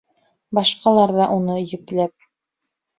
Башҡалар ҙа уны йөпләп: